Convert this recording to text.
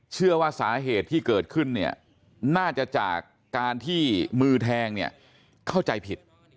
เชื่อว่าสาเหตุที่เกิดขึ้นเนี่ยน่าจะจากการที่มือแทงเนี่ยเข้าใจผิด